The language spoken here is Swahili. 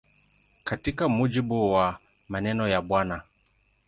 Katika mujibu wa maneno ya Bw.